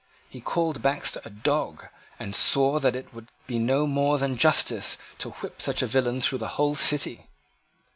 He called Baxter a dog, and swore that it would be no more than justice to whip such a villain through the whole City.